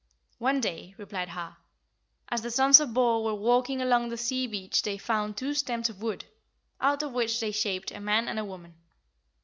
"One day." replied Har, "as the sons of Bor were walking along the sea beach they found two stems of wood, out of which they shaped a man and a woman.